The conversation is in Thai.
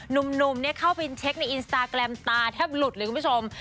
หนุ่มเข้าไปเช็คในอินสตาแกรมตาแทบหลุดเลยคุณผู้ชม